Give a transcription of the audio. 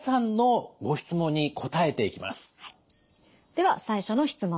では最初の質問です。